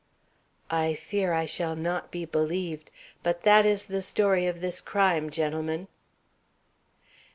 "I fear I shall not be believed, but that is the story of this crime, gentlemen."